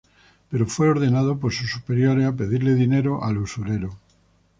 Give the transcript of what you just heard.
Pero fue ordenado por sus superiores a pedirle dinero al usurero.